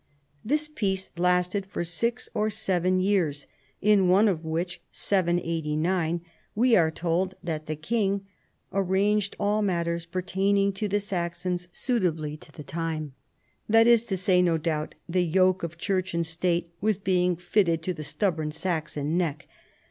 This peace lasted for six or seven years, in one of which (789) we are told that the king " arranged all matters pertaining to the Saxons, suitably to the time." That is to say, no doubt, the yoke of Church and State was being fitted to the stubborn Saxon nock.